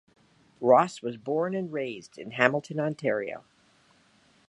Ross was born and raised in Hamilton, Ontario.